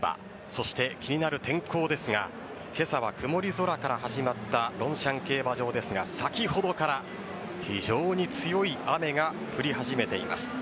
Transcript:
そして、気になる天候ですが今朝は曇り空から始まったロンシャン競馬場ですが先ほどから非常に強い雨が降り始めています。